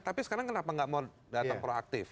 tapi sekarang kenapa nggak mau datang proaktif